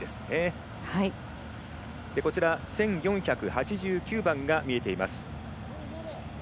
１４８９番が見えています。